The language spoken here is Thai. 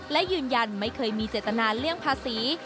และยืนยันไม่เคยมีเจตนาเลี่ยงภาษี